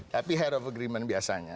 tapi head of agreement biasanya